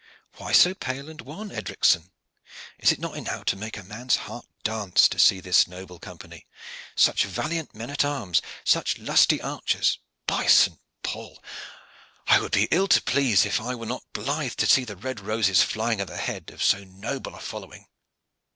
Why so pale and wan, Edricson? Is it not enow to make a man's heart dance to see this noble Company, such valiant men at arms, such lusty archers? By St. Paul! I would be ill to please if I were not blithe to see the red roses flying at the head of so noble a following!"